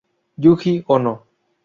Yuji Ono